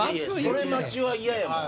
それ待ちは嫌やもん。